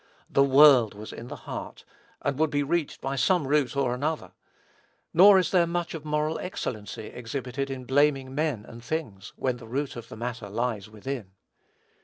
The world was in the heart, and would be reached by some route or another; nor is there much of moral excellency exhibited in blaming men and things, when the root of the matter lies within.